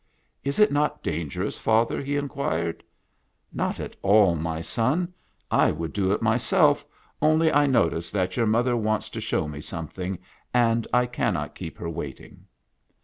" Is it not dangerous, father ?" he inquired. " Not at all, my son. I would do it myself, only I notice that your mother wants to show me something, and I cannot keep her waiting."